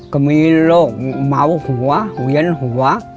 ก็มีโรคเมาหัวเวียนหัว